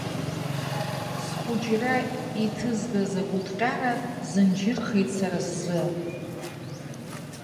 Схәыҷра иҭызгаз агәыҭҟьара зынџьырхеит сара сзы.